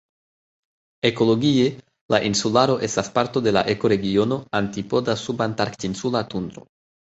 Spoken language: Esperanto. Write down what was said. Ekologie, la insularo estas parto de la ekoregiono "antipoda-subantarktinsula tundro".